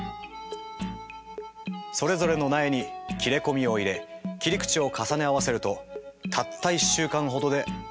それぞれの苗に切れ込みを入れ切り口を重ね合わせるとたった１週間ほどで。